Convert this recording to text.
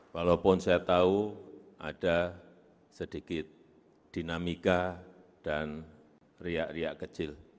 walaupun saya tahu ada sedikit dinamika dan riak riak kecil